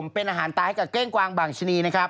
เป็นอาหารตายให้กับเก้งกวางบางชะนีนะครับ